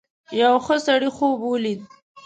یو ښه سړي خوب ولید.